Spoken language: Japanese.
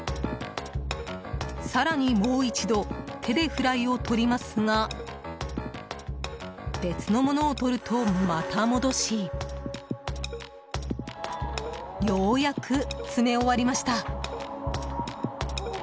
更にもう一度手でフライを取りますが別の物を取ると、また戻しようやく詰め終わりました。